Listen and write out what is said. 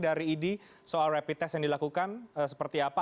dari idi soal rapid test yang dilakukan seperti apa